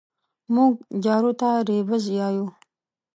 مونږ جارو ته رېبز يايو